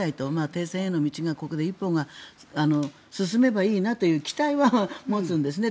停戦への道が進めばいいなという期待は持つんですね。